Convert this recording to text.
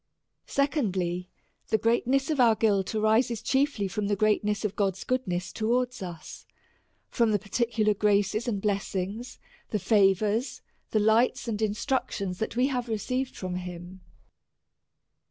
Secondly, The greatness of our guilt arises chiefly from the greatness of God's goodness towards us, from the particular graces and blessings, the favours, the lights and instructions that w^e have received from him.